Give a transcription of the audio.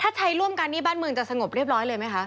ถ้าใช้ร่วมกันนี่บ้านเมืองจะสงบเรียบร้อยเลยไหมคะ